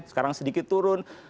sekarang sedikit turun